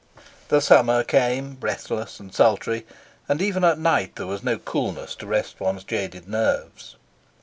The summer came, breathless and sultry, and even at night there was no coolness to rest one's jaded nerves.